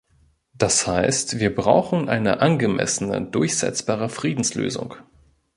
Das heißt, wir brauchen eine angemessene, durchsetzbare Friedenslösung.